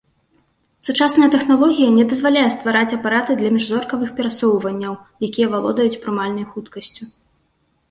Сучасная тэхналогія не дазваляе ствараць апараты для міжзоркавых перасоўванняў, якія валодаюць прымальнай хуткасцю.